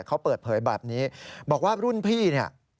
เขาเปิดเผยแบบนี้บอกว่ารุ่นพี่เนี่ย